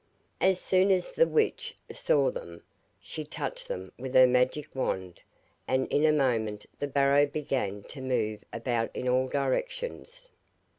As soon as the witch saw them, she touched them with her magic wand, and in a moment the barrow began to move about in all directions.